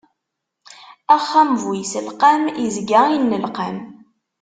Axxam bu iselqam, izga innelqam.